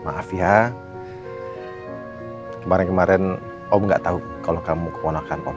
maaf ya kemarin kemarin om enggak tahu kalau kamu keponakan om